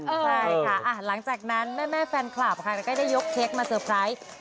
ใช่ค่ะหลังจากนั้นแม่แฟนคลับค่ะก็ได้ยกเค้กมาเตอร์ไพรส์